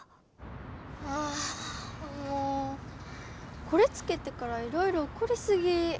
あもうこれつけてからいろいろおこりすぎ。